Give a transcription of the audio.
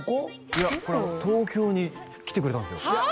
いやこれ東京に来てくれたんですよはあ！？